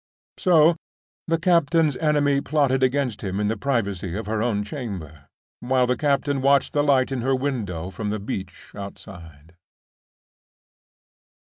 So, the captain's enemy plotted against him in the privacy of her own chamber, while the captain watched the light in her window from the beach outside.